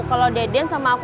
kalau deden sama aku aku mau